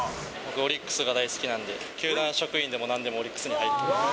オリックスが大好きなんで、球団職員でもなんでもオリックスに入りたいです。